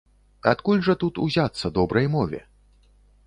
Адкуль жа тут узяцца добрай мове?